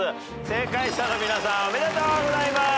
正解者の皆さんおめでとうございます！